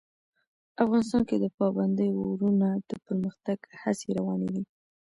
افغانستان کې د پابندی غرونه د پرمختګ هڅې روانې دي.